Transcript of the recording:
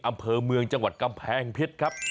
อำเภอเมืองจังหวัดกำแพงเพชรครับ